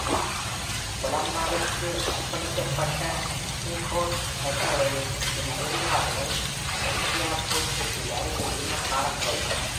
கொலம்பாவிற்கு அர்ப்பணிக்கப்பட்ட Snizort Cathedral இன் இடிபாடுகள் Skeabost-க்கு அருகில் இன்னும் காணப்படுகின்றன.